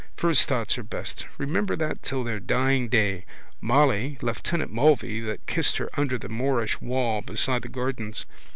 First thoughts are best. Remember that till their dying day. Molly, lieutenant Mulvey that kissed her under the Moorish wall beside the gardens.